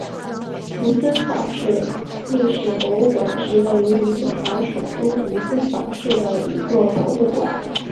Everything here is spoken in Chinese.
卢森堡市历史博物馆是位于卢森堡首都卢森堡市的一座博物馆。